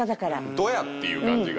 ドヤっていう感じが？